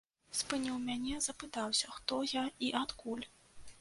Спыніў мяне, запытаўся, хто я і адкуль.